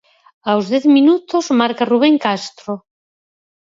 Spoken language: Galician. Aos dez minutos marca Rubén Castro.